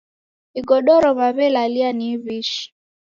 Igodoro w'aw'elalia ni iw'ishi.